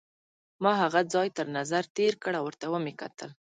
ما هغه ځای تر نظر تېر کړ او ورته مې وکتل.